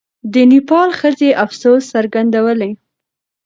د نېپال ښځې افسوس څرګندولی.